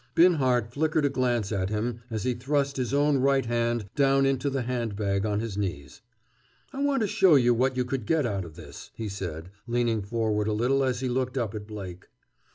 Binhart flickered a glance at him as he thrust his own right hand down into the hand bag on his knees. "I want to show you what you could get out of this," he said, leaning forward a little as he looked up at Blake.